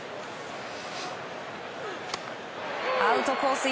アウトコース